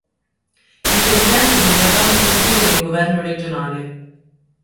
Il presidente guida il ramo esecutivo del governo regionale.